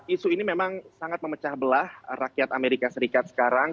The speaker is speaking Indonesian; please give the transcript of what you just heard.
isu ini memang sangat memecah belah rakyat amerika serikat sekarang